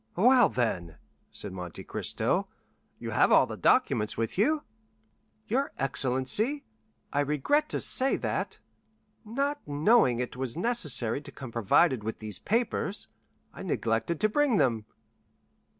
"Well, then," said Monte Cristo "you have all the documents with you?" "Your excellency, I regret to say that, not knowing it was necessary to come provided with these papers, I neglected to bring them."